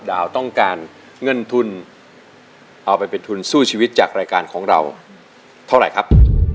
ดาวต้องการเงินทุนเอาไปเป็นทุนสู้ชีวิตจากรายการของเราเท่าไหร่ครับ